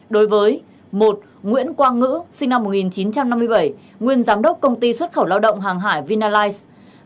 đối với một nguyễn quang ngữ sinh năm một nghìn chín trăm năm mươi bảy nguyên giám đốc công ty xuất khẩu lao động hàng hải vinalize